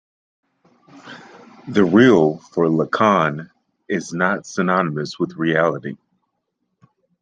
The Real, for Lacan, is not synonymous with reality.